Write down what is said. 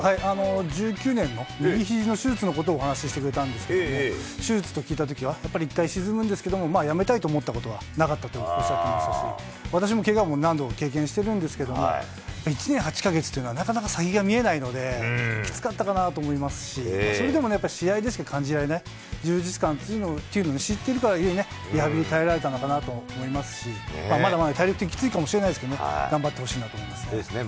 １９年の右ひじの手術のことをお話してくれたんですけど、手術と聞いたときは、やっぱり１回沈むんですけど、やめたいと思ったことはなかったとおっしゃってましたし、私もけがも何度も経験してるんですけども、１年８か月というのはなかなか先が見えないので、きつかったかなと思いますし、それでもね、やっぱ試合でしか感じられない充実感というのを知ってるからゆえにね、リハビリに耐えられたのかなと思いますし、まだまだ体力的にきついかもしれないですけど、頑張ってほしいなそうですね。